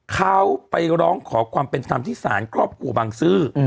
เขาไปร้องขอความเป็นธรรมที่ศาลครอบครัวบังซื้อ